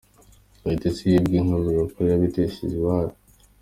Kayitesi wibwe inka avuga ko, bayitesheje iyayo.